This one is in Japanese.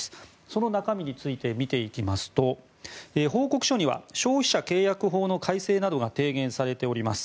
その中身について見ていきますと報告書には消費者契約法の改正などが提言されております。